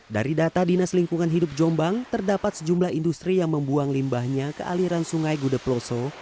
dari data dinas lingkungan hidup jombang terdapat sejumlah industri yang membuang limbahnya ke aliran sungai gude ploso